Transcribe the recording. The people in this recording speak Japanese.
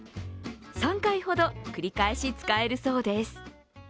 ３回ほど繰り返し使えるそうです。